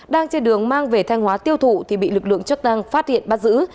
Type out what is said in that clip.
đang trên đường mang về thanh hóa tiêu thụ thì bị lực lượng chức năng phát hiện bắt giữ